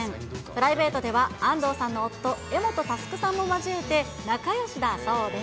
プライベートでは安藤さんの夫、柄本佑さんも交えて、仲よしだそうで。